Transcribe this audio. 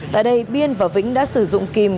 tại đây biên và vĩnh đã sử dụng kìm